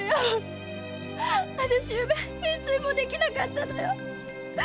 あたし昨夜一睡もできなかったのよ。